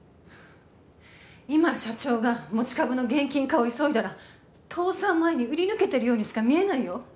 今社長が持ち株の現金化を急いだら倒産前に売り抜けてるようにしか見えないよ